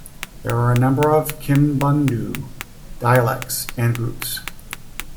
There were a number of Kimbundu dialects and groups.